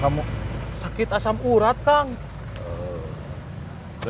kamu gak mau disuruh saya